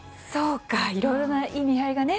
いろいろな意味合いがね。